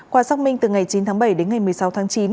qua xác minh từ ngày chín tháng bảy đến ngày một mươi sáu tháng chín